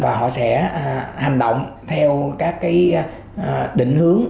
và họ sẽ hành động theo các định hướng